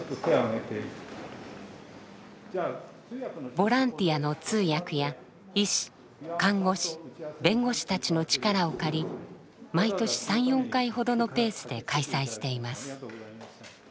ボランティアの通訳や医師看護師弁護士たちの力を借り毎年３４回ほどのペースで開催しています。